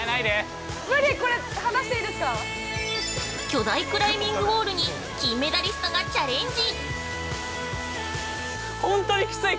◆巨大クライミングウォールに金メダリストがチャレンジ！